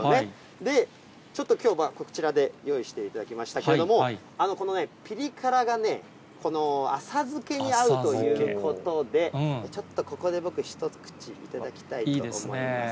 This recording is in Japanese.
で、ちょっときょうはこちらで用意していただきましたけれども、このね、ぴり辛がね、この浅漬けに合うということで、ちょっとここで僕、ひと口頂きたいと思います。